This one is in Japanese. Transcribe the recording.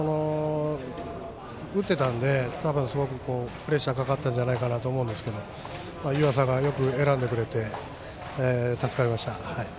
打ってたんですごくプレッシャーかかったんじゃないかなと思うんですけど、湯淺がよく選んでくれて、助かりました。